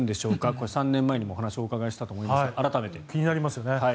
これは３年前にもお話をお伺いしたと思いますが気になりますよね。